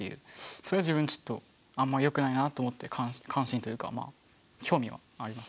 それは自分ちょっとあんまよくないなと思って関心というかまあ興味はあります。